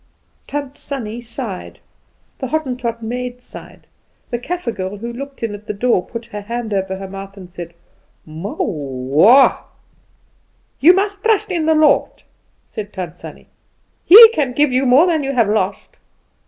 Tant Sannie sighed, the Hottentot maid sighed, the Kaffer girl who looked in at the door put her hand over her mouth and said "Mow wah!" "You must trust in the Lord," said Tant Sannie. "He can give you more than you have lost."